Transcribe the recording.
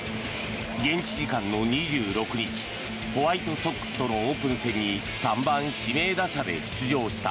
現地時間の２６日ホワイトソックスとのオープン戦に３番指名打者で出場した。